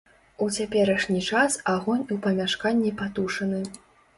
У цяперашні час агонь у памяшканні патушаны.